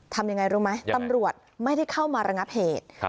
ทำยังไงรู้ไหมตำรวจไม่ได้เข้ามาระงับเหตุ